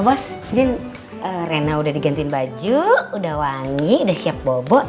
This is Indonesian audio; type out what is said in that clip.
pa bos din rena udah digantiin baju udah wangi udah siap bobo